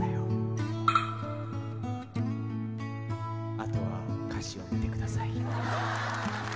あとは歌詞を見てください。